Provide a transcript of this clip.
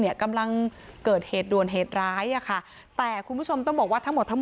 กำลังเกิดเหตุด่วนเหตุร้ายอ่ะค่ะแต่คุณผู้ชมต้องบอกว่าทั้งหมดทั้งหมด